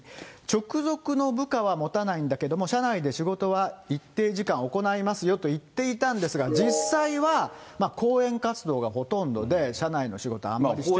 直属の部下は持たないんだけども、社内で仕事は一定時間行いますよと言っていたんですが、実際は講演活動がほとんどで、社内の仕事、あんまりしてなかった。